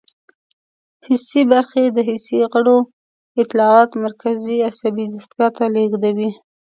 حسي برخه د حسي غړو اطلاعات مرکزي عصبي دستګاه ته لیږدوي.